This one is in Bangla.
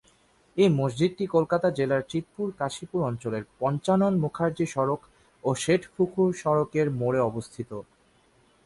এই মসজিদটি কলকাতা জেলার চিৎপুর-কাশীপুর অঞ্চলের পঞ্চানন মুখার্জি সড়ক ও শেঠ পুকুর সড়কের মোড়ে অবস্থিত।